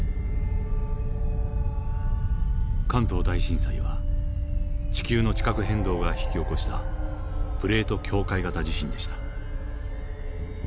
関東大震災は地球の地殻変動が引き起こしたプレート境界型地震でした。